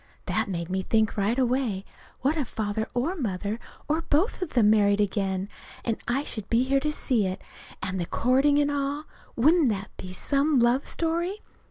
That made me think right away: what if Father or Mother, or both of them, married again? And I should be there to see it, and the courting, and all! Wouldn't that be some love story?